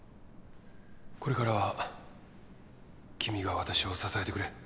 これからは君が私を支えてくれ。